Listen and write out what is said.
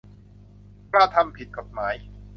กระทำผิดกฎหมาย